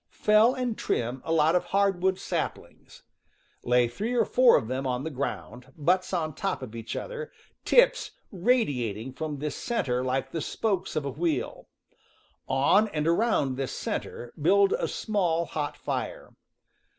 Fell and trim a lot of hardwood saplings. Lay three or four of them on the ground, butts on top of each other, tips radiating from this center like the spokes of a wheel. On and around this center build a small, hot fire.